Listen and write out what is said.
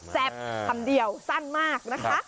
คำเดียวสั้นมากนะคะ